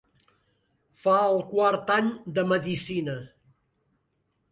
Fa el quart any de medicina.